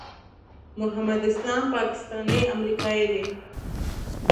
محمد اسلام پاکستانی امریکایی دی.